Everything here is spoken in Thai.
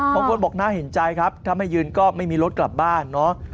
บางคนบอกน่าเห็นใจครับถ้าไม่ยืนก็ไม่มีรถกลับบ้านเนาะ